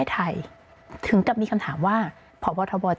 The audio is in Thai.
สิ่งที่ประชาชนอยากจะฟัง